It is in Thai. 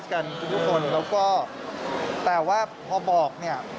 กันทุกคนแล้วก็แต่ว่าพอบอกเนี่ย